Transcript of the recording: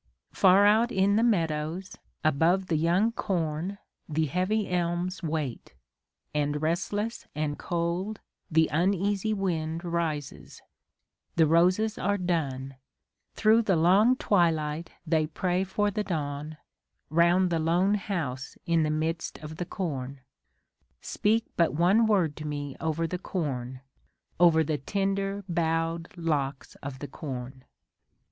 Far out in the meadows, above the young corn, The heavy elms wait, and restless and cold The uneasy wind rises ; the roses are dun ; Through the long twilight they pray for the dawn, Round the lone house in the midst of the corn. Speak but one word to me over the corn, Over the tender, bow*d locks of the corn.